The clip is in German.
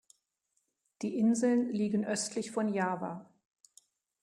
Die Inseln liegen östlich von Java.